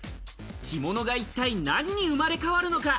着物が一体、何に生まれ変わるのか？